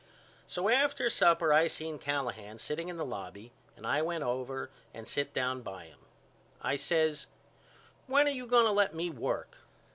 So after supper I seen Callahan sitting in the lobby and I went over and sit down by him. I says When are you going to let me work?